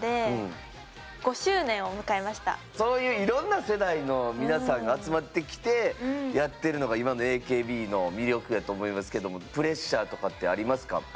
はい私はそういういろんな世代の皆さんが集まってきてやってるのが今のＡＫＢの魅力やと思いますけどもプレッシャーとかってありますか？